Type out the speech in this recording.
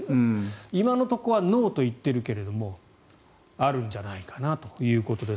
今のところはノーと言っているけどあるんじゃないかなということです。